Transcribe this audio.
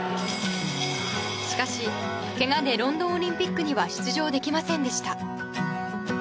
しかし、けがでロンドンオリンピックには出場できませんでした。